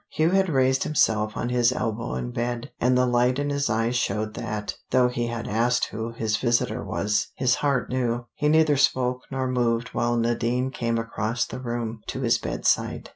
Hugh had raised himself on his elbow in bed, and the light in his eyes showed that, though he had asked who his visitor was, his heart knew. He neither spoke nor moved while Nadine came across the room to his bedside.